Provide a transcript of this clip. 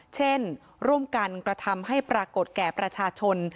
เช่นร่วมกันกระทำให้ปรากฏแก่ประชาชน